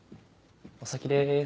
お先です。